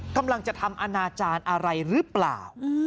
กำลังจะทำอนาจารย์อะไรหรือเปล่า